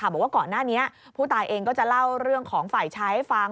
บอกว่าก่อนหน้านี้ผู้ตายเองก็จะเล่าเรื่องของฝ่ายชายให้ฟัง